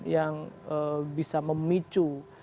yang bisa memicu